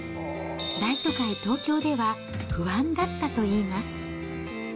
大都会東京では不安だったといいます。